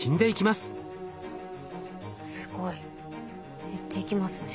すごい。減っていきますね。